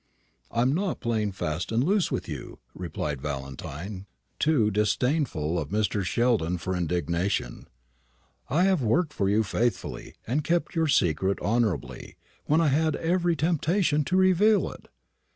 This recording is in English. "I am not playing fast and loose with you," replied Valentine, too disdainful of Mr. Sheldon for indignation. "I have worked for you faithfully, and kept your secret honourably, when I had every temptation to reveal it.